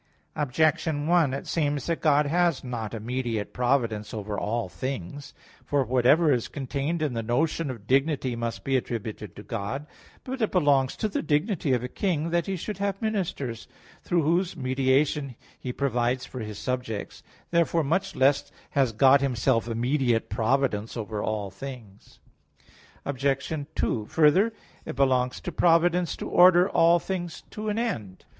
Objection 1: It seems that God has not immediate providence over all things. For whatever is contained in the notion of dignity, must be attributed to God. But it belongs to the dignity of a king, that he should have ministers; through whose mediation he provides for his subjects. Therefore much less has God Himself immediate providence over all things. Obj. 2: Further, it belongs to providence to order all things to an end.